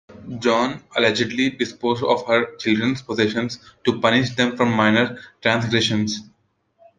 Joan allegedly disposed of her children's possessions to punish them for minor transgressions.